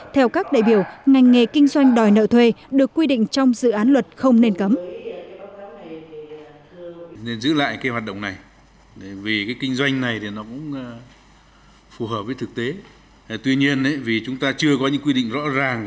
theo các đại biểu ngành nghề kinh doanh đòi nợ thuê được quy định trong dự án luật không nên cấm